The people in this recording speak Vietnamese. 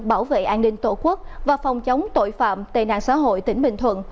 bảo vệ an ninh tổ quốc và phong chống tội phạm tề nạn xã hội tỉnh bình thuận